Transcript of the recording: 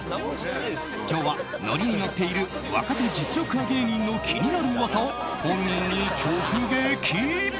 今日はノリにのっている若手実力派芸人の気になる噂を本人に直撃！